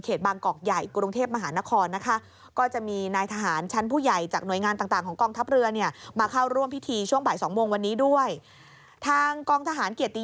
เขตบางกอกใหญ่กุรุงเทพมหานคร